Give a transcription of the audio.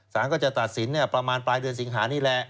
สารก็จะตัดสินประมาณปลายเดือนสิงหานี่แหละ